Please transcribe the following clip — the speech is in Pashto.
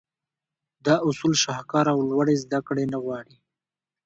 دا اصول شهکار او لوړې زدهکړې نه غواړي.